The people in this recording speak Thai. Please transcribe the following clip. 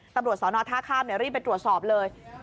ตำรวจสอนอท่าข้ามรีบไปตรวจสอบเลย